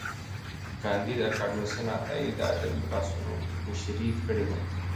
کانديد اکاډميسن عطايي د ادبي بحثونو مشري کړې ده.